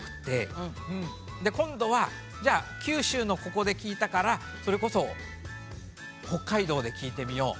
で今度はじゃあ九州のここで聞いたからそれこそ北海道で聞いてみよう。